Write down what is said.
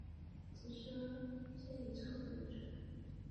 此书先以抄本流传。